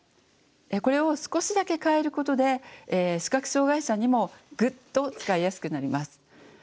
これを少しだけ変えることで視覚障害者にもグッと使いやすくなります。